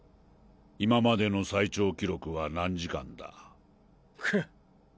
今までの最長記録は何時間だ？